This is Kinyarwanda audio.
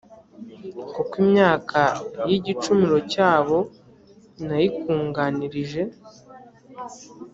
kuko imyaka y igicumuro cyabo nayikunganirije